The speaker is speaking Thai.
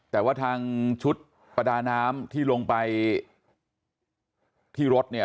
แต่ว่าทางชุดประดาน้ำที่ลงไปที่รถเนี่ย